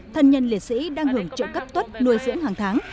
thân nhân liệt sĩ đang hưởng trợ cấp tuất nuôi dưỡng hàng tháng